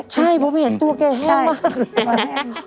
ใช่ผมเห็นตัวแกแห้งมากเลย